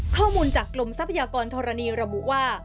ข้อมูลจากกรมทรัพยากรธรณีระบุว่า